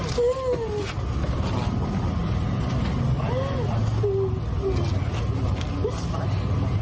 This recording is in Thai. สามารถ